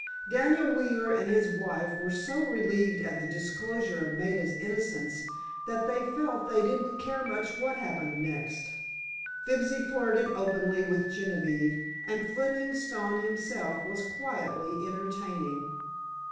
Daniel Wheeler and his wife were so relieved at the disclosure of Maida's innocence that they felt they didn't care much what happened next. Fibsy flirted openly with Genevieve and Fleming Stone himself was quietly entertaining.